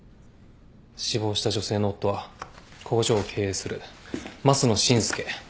死亡した女性の夫は工場を経営する益野紳祐。